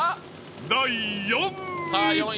第４位。